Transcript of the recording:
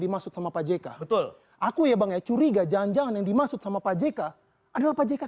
dimaksud sama pak jk betul aku ya bangnya curiga jangan jangan yang dimaksud sama pak jk adalah